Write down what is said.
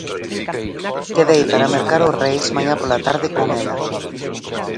Quedei para mercar os Reis mañá pola tarde con ela.